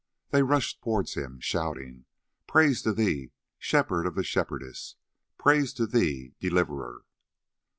They rushed towards him shouting: "Praise to thee, Shepherd of the Shepherdess! Praise to thee, Deliverer!"